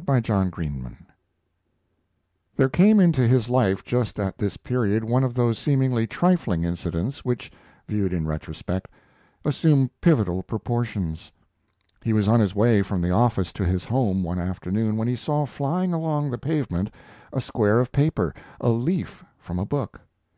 XVI. THE TURNING POINT There came into his life just at this period one of those seemingly trifling incidents which, viewed in retrospect, assume pivotal proportions. He was on his way from the office to his home one afternoon when he saw flying along the pavement a square of paper, a leaf from a book.